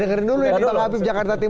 kalau habis jakarta timur